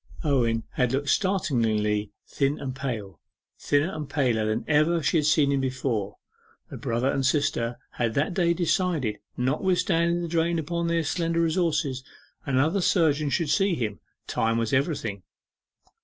Owen had looked startlingly thin and pale thinner and paler than ever she had seen him before. The brother and sister had that day decided that notwithstanding the drain upon their slender resources, another surgeon should see him. Time was everything.